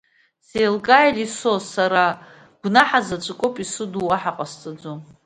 Сеилкаа, Елисо, сара гәнаҳа заҵәык ауп исыду, уаҳа ҟасҵаӡом!